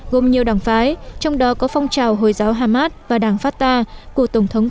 gồm nhiều đảng phái trong đó có phong trào hồi giáo hamas và đảng fatah của tổng thống